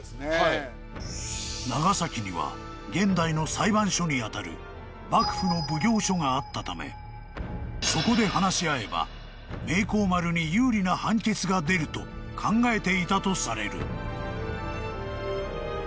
［長崎には現代の裁判所にあたる幕府の奉行所があったためそこで話し合えば明光丸に有利な判決が出ると考えていたとされる］